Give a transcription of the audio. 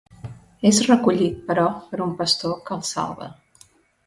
És recollit, però, per un pastor, que el salva.